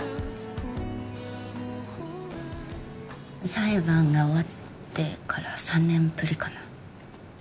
裁判が終わってから３年ぶりかな。